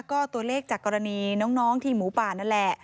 ก็ตัวเลขจากกรณีน้องทีมหมูป่านั่นแหละ